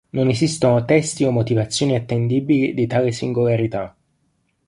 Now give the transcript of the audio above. Non esistono testi o motivazioni attendibili di tale singolarità.